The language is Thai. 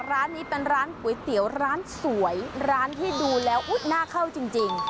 ร้านนี้เป็นร้านก๋วยเตี๋ยวร้านสวยร้านที่ดูแล้วอุ๊ยน่าเข้าจริง